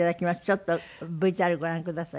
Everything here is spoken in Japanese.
ちょっとＶＴＲご覧ください。